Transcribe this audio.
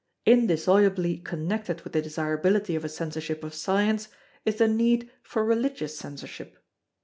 Indissolubly connected with the desirability of a Censorship of Science, is the need for Religious Censorship.